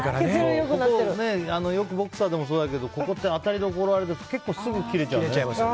よくボクサーでもそうだけどここって当たりところ悪いと結構すぐ切れちゃう。